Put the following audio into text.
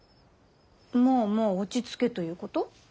まぁまぁ落ち着けということ？